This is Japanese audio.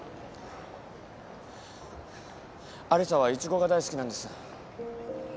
有沙はイチゴが大好きなんです。